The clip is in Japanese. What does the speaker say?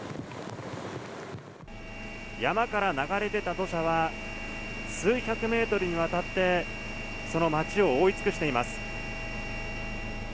山から流れ出た土砂は、数百メートルにわたってその町を覆い尽くしています。